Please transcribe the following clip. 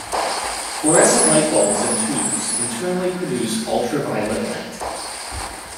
Fluorescent light bulbs and tubes internally produce ultraviolet light.